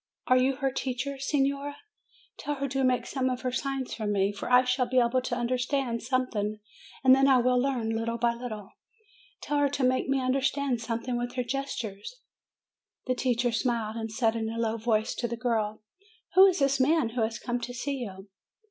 Are you her teacher, signora? Tell her to make some of her signs to me; for I shall be able to understand something, and then I will learn little by little. Tell her to make me understand something with her gestures." The teacher smiled, and said in a low voice to the girl, "Who is this man who has come to see you?"